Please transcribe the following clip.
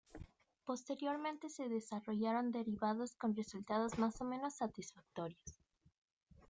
Posteriormente se desarrollaron derivados con resultados más o menos satisfactorios.